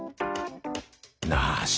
なし！